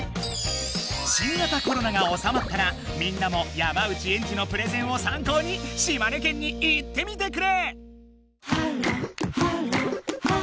新型コロナがおさまったらみんなも山内エンジのプレゼンをさんこうに島根県に行ってみてくれ！